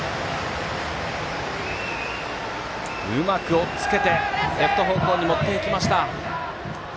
うまくおっつけてレフト方向に持っていきました。